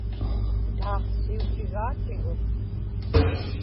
taaqsiutigaatigut